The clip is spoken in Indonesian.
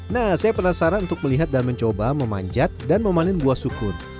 nah saya penasaran untuk melihat dan mencoba memanjat dan memanen buah sukun